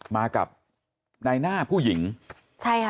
มากับนายหน้าผู้หญิงใช่ค่ะ